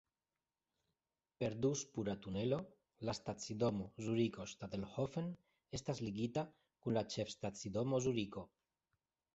Per du-spura tunelo la stacidomo Zuriko-Stadelhofen estas ligita kun la Ĉefstacidomo Zuriko.